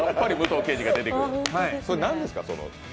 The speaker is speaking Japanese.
それは何ですか？